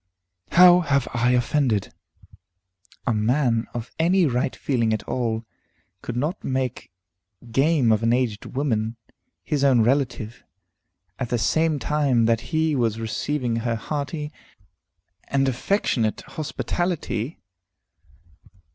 "How have I offended?" "A man of any right feeling at all could not make game of an aged woman, his own relative, at the same time that he was receiving her hearty and affectionate hospitality."